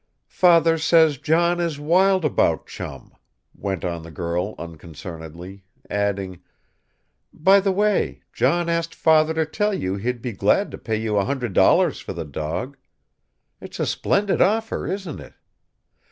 "Father says John is wild about Chum," went on the girl unconcernedly; adding, "By the way, John asked father to tell you he'd be glad to pay you $100 for the dog. It's a splendid offer, isn't it!